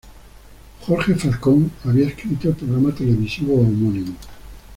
Jorge Falcón había escrito el programa televisivo homónimo.